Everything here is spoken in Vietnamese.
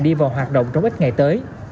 đi vào hoạt động trong ít ngày tới